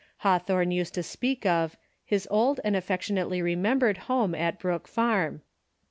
Hawthorne used to speak of "his old and aflTectionately remembered home at Brook Farm."